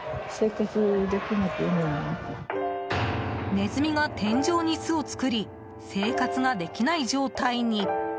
ネズミが天井に巣を作り生活ができない状態に。